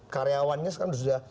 karyawannya sekarang sudah